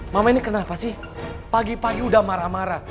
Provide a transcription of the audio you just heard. mama ini kenapa sih pagi pagi udah marah marah